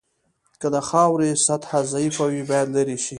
که د خاورې سطحه ضعیفه وي باید لرې شي